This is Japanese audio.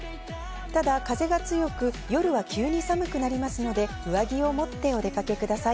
ただ風が強く、夜は急に寒くなりますので上着を持ってお出かけください。